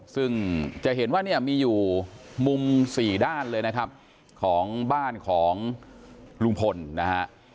ซึ่งจะเห็นว่าเนี่ยมีอยู่มุมสี่ด้านเลยนะครับของบ้านของลุงพลนะฮะ